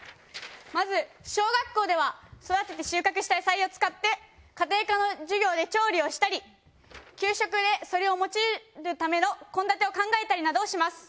まず小学校では育てて収穫した野菜を使って家庭科の授業で調理をしたり給食でそれを用いるための献立を考えたりなどをします。